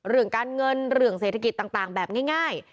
เรื่องการเงินเรื่องเศรษฐกิจต่างแบบง่าย